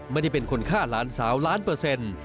ไม่ได้เป็นคนฆ่าหลานสาวล้านเปอร์เซ็นต์